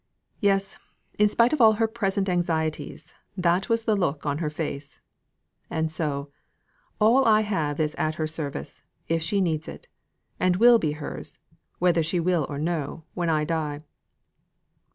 Yes, in spite of all her present anxieties, that was the look on her face. And so, all I have is at her service, if she needs it; and will be hers, whether she will or no, when I die.